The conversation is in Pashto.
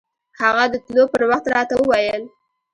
هغه د تلو پر وخت راته وويل.